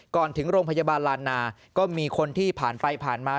ถึงโรงพยาบาลลานาก็มีคนที่ผ่านไปผ่านมา